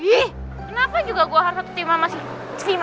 ih kenapa juga gue harus satu tim sama vino